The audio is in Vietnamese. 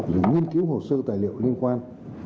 rồi nghiên cứu hồ sơ tài liệu liên quan